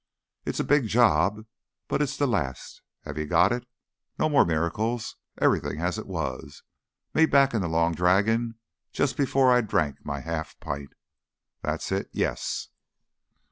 It's a big job, but it's the last. Have you got it? No more miracles, everything as it was me back in the Long Dragon just before I drank my half pint. That's it! Yes."